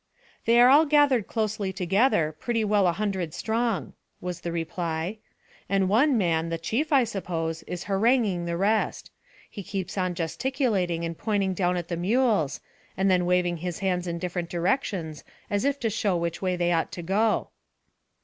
"They are all gathered closely together, pretty well a hundred strong," was the reply, "and one man the chief, I suppose is haranguing the rest. He keeps on gesticulating and pointing down at the mules, and then waving his hands in different directions as if to show which way they ought to go."